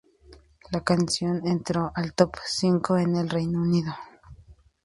La canción entró al top cinco en el Reino Unido.